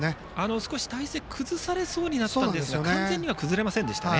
少し体勢を崩されそうになりましたが完全には崩れませんでしたね。